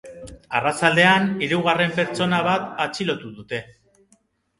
Arratsaldean, hirugarren pertsona bat atxilotu dute.